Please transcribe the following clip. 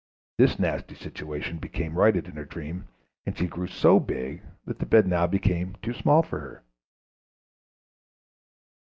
This nasty situation became righted in her dream, and she grew so big that the bed now became too small for her.